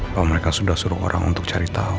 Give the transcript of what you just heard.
bahwa mereka sudah suruh orang untuk cari tahu